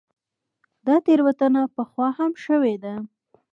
دا تېروتنه پخوا هم شوې ده.